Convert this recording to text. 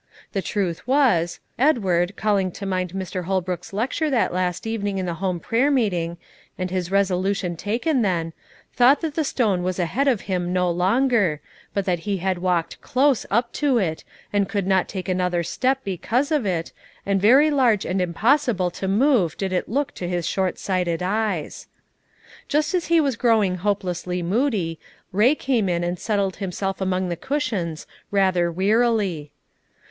The truth was, Edward, calling to mind Mr. Holbrook's lecture that last evening in the home prayer meeting, and his resolution taken then, thought that the stone was ahead of him no longer, but that he had walked close up to it, and could not take another step because of it, and very large and impossible to move did it look to his shortsighted eyes. Just as he was growing hopelessly moody, Lay came in, and settled himself among the cushions, rather wearily.